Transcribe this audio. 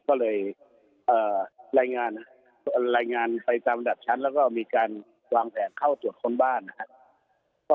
ก็เลยรายงานรายงานไปตามระดับชั้นแล้วก็มีการวางแผนเข้าตรวจค้นบ้านนะครับ